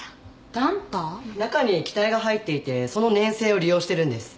中に液体が入っていてその粘性を利用してるんです。